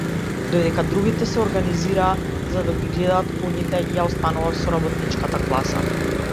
Додека другите се организираа за да ги гледаат коњите, јас останував со работничката класа.